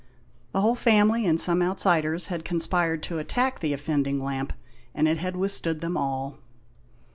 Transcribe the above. The whole family, and some outsiders, had conspired to attack the offending lamp, and it had withstood them all.